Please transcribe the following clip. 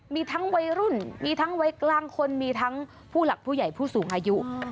มีทั้งวัยรุ่นมีทั้งวัยกลางคนมีทั้งผู้หลักผู้ใหญ่ผู้สูงอายุ